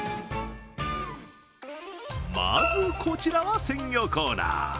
まずこちらは鮮魚コーナー。